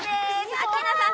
アッキーナさん